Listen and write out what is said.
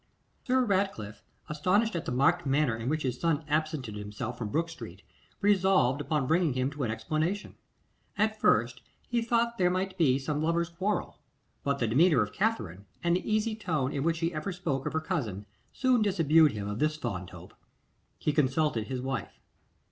Sir Ratcliffe, astonished at the marked manner in which his son absented himself from Brook street, resolved upon bringing him to an explanation. At first he thought there might be some lovers' quarrel; but the demeanour of Katherine, and the easy tone in which she ever spoke of her cousin, soon disabused him of this fond hope. He consulted his wife.